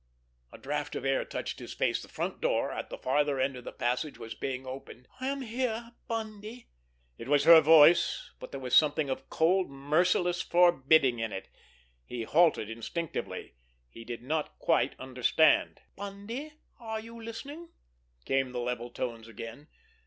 A draft of air touched his face. The front door at the farther end of the passage was being opened. "I am here, Bundy." It was her voice, but there was something of cold, merciless forbidding in it. He halted instinctively. He did not quite understand. "Bundy, are you listening?" came the level tones again.